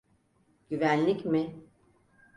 Güvenlik mi?